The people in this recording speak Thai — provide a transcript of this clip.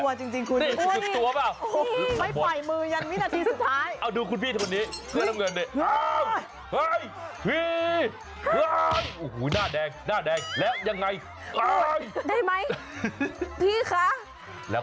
พุ่มสุดตัวจริงคุณฮู้ยพุ่มสุดตัวเปล่า